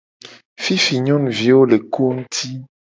Fifi nyonuviwo le ko ngti.